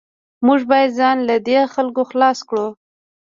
موږ باید ځان له دې خلکو خلاص کړو